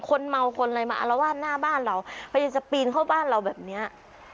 คนเมาคนอะไรมาอารวาสหน้าบ้านเราพยายามจะปีนเข้าบ้านเราแบบเนี้ย